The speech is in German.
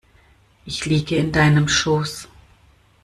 Ich liege in deinem Schoß.